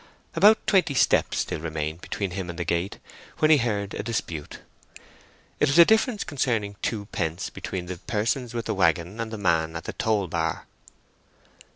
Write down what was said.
About twenty steps still remained between him and the gate, when he heard a dispute. It was a difference concerning twopence between the persons with the waggon and the man at the toll bar.